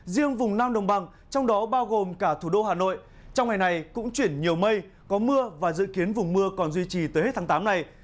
riêng vùng nam đồng bằng trong đó bao gồm cả thủ đô hà nội trong ngày này cũng chuyển nhiều mây có mưa và dự kiến vùng mưa còn duy trì tới hết tháng tám này